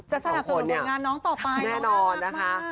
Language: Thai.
จะสนับสนองผลงานน้องต่อไปอะมันน่ารักมาก